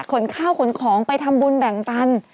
ขนข้าวขนของไปทำบุญแบ่งปัน